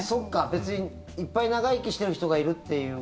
別にいっぱい長生きしてる人がいるっていう。